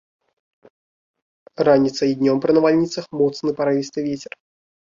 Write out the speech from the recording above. Раніцай і днём пры навальніцах моцны парывісты вецер.